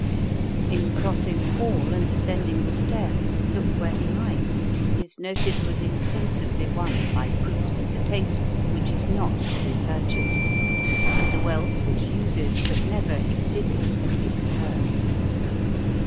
In crossing the hall and ascending the stairs, look where he might, his notice was insensibly won by proofs of the taste which is not to be purchased, and the wealth which uses, but never exhibits, its purse.